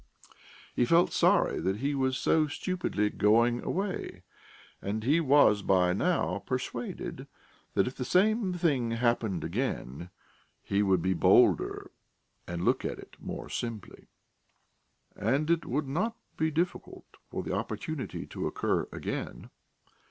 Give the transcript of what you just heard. He felt sorry that he was so stupidly going away, and he was by now persuaded that if the same thing happened again he would be bolder and look at it more simply. And it would not be difficult for the opportunity to occur again.